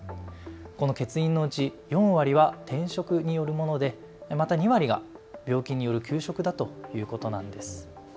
この欠員のうち４割は転職によるもので、また２割が病気による休職だということなんです。